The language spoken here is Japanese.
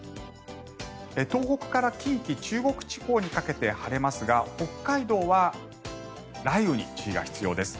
東北から近畿、中国地方にかけて晴れますが北海道は雷雨に注意が必要です。